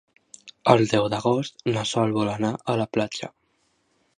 El deu d'agost na Sol vol anar a la platja.